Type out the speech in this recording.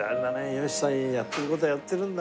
吉さんやってる事はやってるんだね。